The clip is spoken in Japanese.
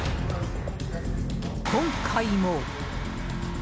今回も。